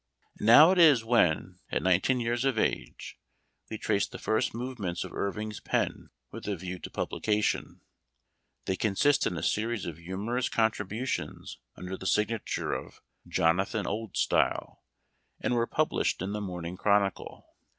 Now it is when, at nineteen years of age, we trace the first movements of Irving's pen with a view to publication. They consist in a series of humorous contributions under the signature of " Jonathan Oldstyle," and were published in the " Morning Chronicle."